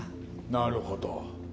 なるほど。